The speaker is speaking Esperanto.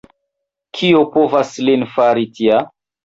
Kio povas lin fari tia?